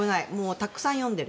たくさん読んでいる。